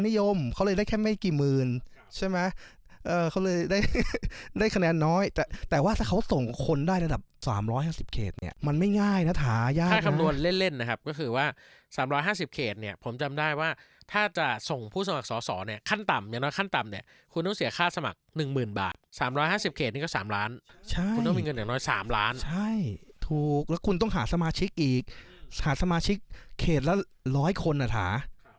เออเขาเลยได้ได้คะแนนน้อยแต่แต่ว่าถ้าเขาส่งคนได้ระดับสามร้อยห้าสิบเขตเนี้ยมันไม่ง่ายนะฐายากนะถ้าคำนวณเล่นเล่นนะครับก็คือว่าสามร้อยห้าสิบเขตเนี้ยผมจำได้ว่าถ้าจะส่งผู้สมัครสอสอเนี้ยขั้นต่ำอย่างน้อยขั้นต่ำเนี้ยคุณต้องเสียค่าสมัครหนึ่งหมื่นบาทสามร้อยห้าสิบเขตนี่ก็สามล้านใช